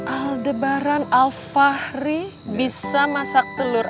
aldebaran al fahri bisa masak telur